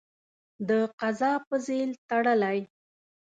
د قضا په ځېل تړلی.